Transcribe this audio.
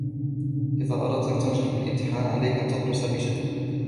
إذا أردت أن تنجح بالإمتحان ، عليك أن تدرس بجدّ.